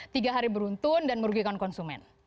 tiga hari beruntun dan merugikan konsumen